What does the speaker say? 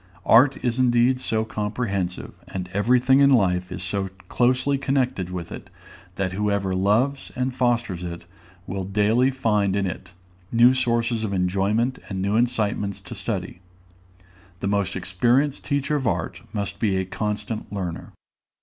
Art is indeed so comprehensive, and every thing in life is so closely connected with it, that whoever loves and fosters it will daily find in it new sources of enjoyment and new incitements to study. The most experienced teacher of art must be a constant learner.